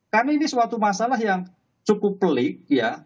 karena ini suatu masalah yang cukup pelik ya